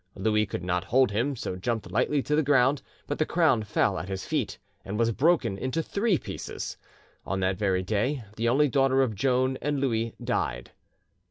Louis could not hold him, so jumped lightly to the ground; but the crown fell at his feet and was broken into three pieces. On that very day the only daughter of Joan and Louis died.